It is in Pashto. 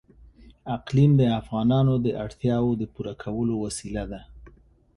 اقلیم د افغانانو د اړتیاوو د پوره کولو وسیله ده.